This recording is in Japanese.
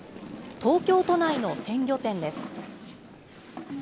東京都内の鮮魚店です。